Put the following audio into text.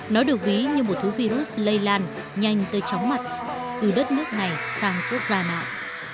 nó được ví như một thứ virus lây lan nhanh tới chóng mặt từ đất nước này sang quốc gia nào